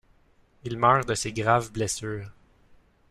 Il meurt de ses graves blessures.